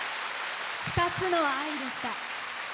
「ふたつの愛」でした。